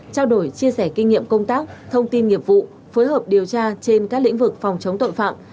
trao đổi chia sẻ kinh nghiệm công tác thông tin nghiệp vụ phối hợp điều tra trên các lĩnh vực phòng chống tội phạm